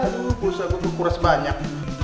tidak usah gue bukuras banyak